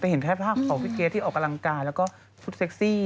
เห็นแค่ภาพของพี่เกดที่ออกกำลังกายแล้วก็ชุดเซ็กซี่